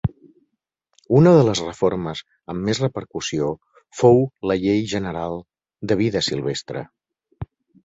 Una de les reformes amb més repercussió fou la Llei General de Vida Silvestre.